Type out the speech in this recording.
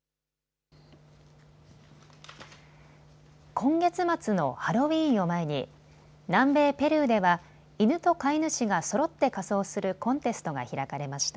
今月末のハロウィーンを前に南米ペルーでは犬と飼い主がそろって仮装するコンテストが開かれました。